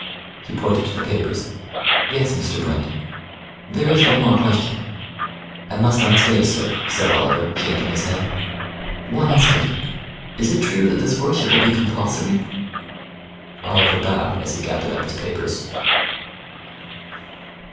He pointed to the papers. "Yes, Mr. Brand. There is one more question." "I must not stay, sir," said Oliver, shaking his head. "One instant is it true that this worship will be compulsory?" Oliver bowed as he gathered up his papers.